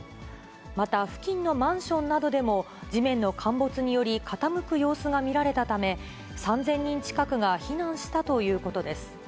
また、付近のマンションなどでも地面の陥没により傾く様子が見られたため、３０００人近くが避難したということです。